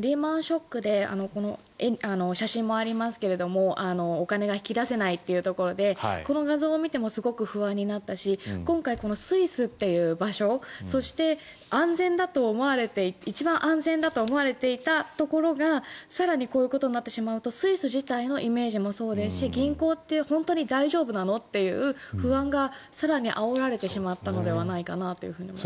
リーマン・ショックで写真にもありますがお金が引き出せないというところでこの画像を見てもすごく不安になったし今回、スイスっていう場所そして、一番安全だと思われていたところが更にこういうことになってしまうとスイス自体のイメージもそうですし銀行って本当に大丈夫なの？という不安が更にあおられてしまったのではないかなと思います。